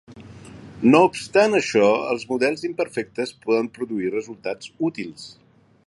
No obstant això, els models imperfectes poden produir resultats útils.